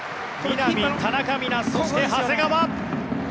南、田中美南そして長谷川。